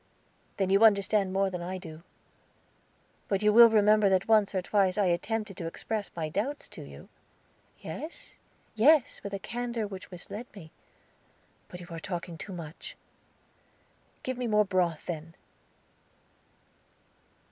"Then you understand more than I do. But you will remember that once or twice I attempted to express my doubts to you?" "Yes, yes, with a candor which misled me. But you are talking too much." "Give me more broth, then."